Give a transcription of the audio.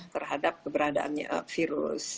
terhadap keberadaannya virus